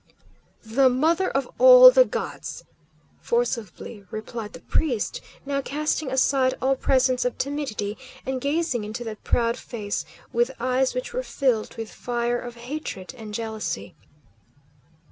"The Mother of all the gods!" forcibly replied the priest, now casting aside all presence of timidity, and gazing into that proud face with eyes which were filled with fire of hatred and jealousy.